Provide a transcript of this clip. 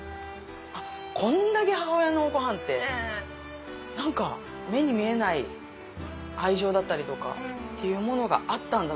あっこんだけ母親のご飯って何か目に見えない愛情だったりとかっていうものがあったんだな。